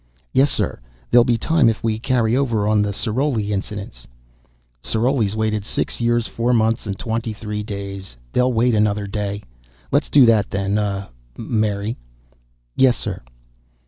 "Yes, sir. There'll be time if we carry over on the Ceroii incidents." "Ceroii's waited six years, four months, and twenty three days. They'll wait another day. Let's do that, then, uh ... Mary." "Yes, sir."